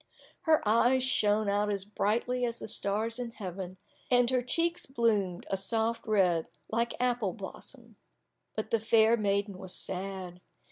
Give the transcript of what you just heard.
Her eyes shone out as brightly as the stars in heaven, and her cheeks bloomed a soft red like apple blossom. But the fair maiden was sad.